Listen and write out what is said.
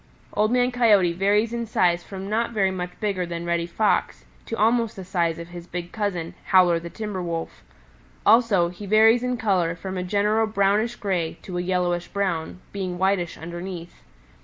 "Old Man Coyote varies in size from not so very much bigger than Reddy Fox to almost the size of his big cousin, Howler the Timber Wolf. Also he varies in color from a general brownish gray to a yellowish brown, being whitish underneath.